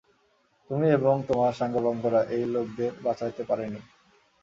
তুমি এবং তোমার সাঙ্গপাঙ্গরা ওই লোকদের বাঁচাতে পারেনি।